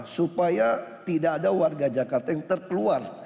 supaya tidak ada warga jakarta yang terkeluar